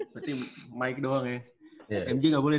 berarti mike doang ya